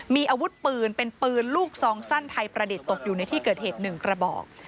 มีอาวุธปืนเป็นปืนลูกซองสั้นไทยประดิษฐ์ตกอยู่ในที่เกิดเหตุ๑กระบอก